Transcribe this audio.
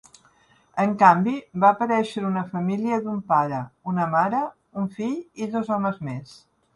En canvi, va aparèixer una família d'un pare, una mare, un fill i dos homes més.